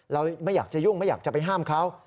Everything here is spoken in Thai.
เราไม่อยากจะยุ่งไม่อยากจะไปห้ามเขา